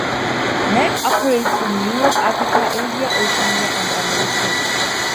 Merck operates in Europe, Africa, Asia, Oceania and the Americas.